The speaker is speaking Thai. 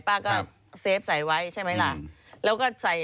ป้าก็เซฟใส่ไว้ใช่ไหมล่ะ